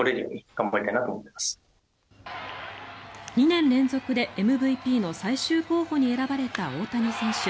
２年連続でＭＶＰの最終候補に選ばれた大谷選手。